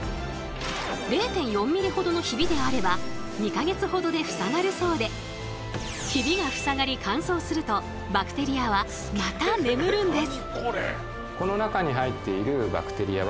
０．４ｍｍほどのヒビであれば２か月ほどでふさがるそうでヒビがふさがり乾燥するとバクテリアはまた眠るんです。